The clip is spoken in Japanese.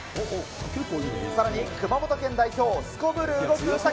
さらに熊本県代表、すこぶる動くウサギ。